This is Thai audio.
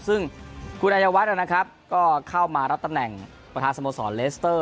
ซึ่งคุณอายวัฒน์นะครับก็เข้ามารับตำแหน่งประธานสโมสรเลสเตอร์